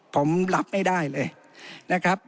ผมรับไม่ได้เลยนะครับ